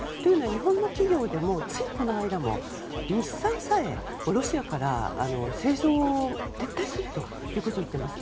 日本の企業でもついこの間も、日産さえロシアから製造を撤退すると言っています。